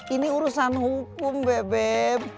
ini urusan hukum bebek